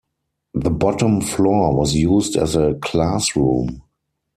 The bottom floor was used as a classroom.